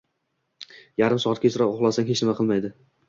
yarim soat kechroq uxlasang hech nima qilmaydi.